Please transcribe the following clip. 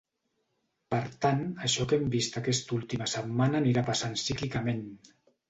Per tant, això que hem vist aquesta última setmana anirà passant cíclicament.